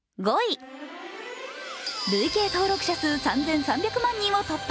累計登録者数３３００万人を突破。